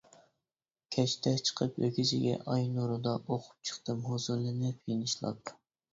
كەچتە چىقىپ ئۆگزىگە ئاي نۇرىدا، ئوقۇپ چىقتىم ھۇزۇرلىنىپ يېنىشلاپ.